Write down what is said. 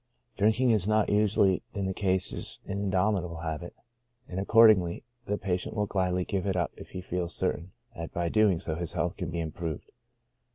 Drinking is not usually in these cases an in domitable habit, and accordingly, the patient will gladly give it up if he feels certain that by so doing his health can be improved.